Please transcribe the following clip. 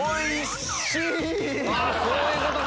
あそういうことか。